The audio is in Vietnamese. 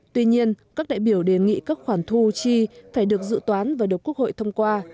tuy nhiên các đại biểu đề nghị các khoản thu chi phải được dự toán và được quốc hội thông qua